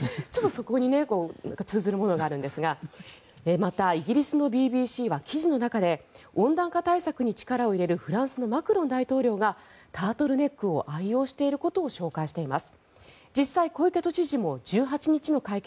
そこに通ずるものがあるんですがまた、イギリスのＢＢＣは記事の中で温暖化対策に力を入れるフランスのマクロン大統領がタートルネックを愛用していることを紹介しています。